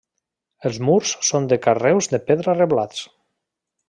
Els murs són de carreus de pedra reblats.